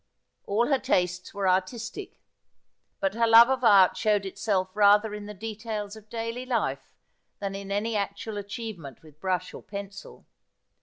All her tastes were artistic ; but her love of art showed itself rather in the details of daily life than in any actual achievement with brush or pencil.